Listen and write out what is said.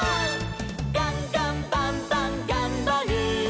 「ガンガンバンバンがんばる！」